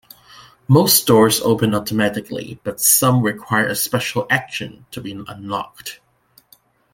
Most doors open automatically, but some require a special action to be unlocked.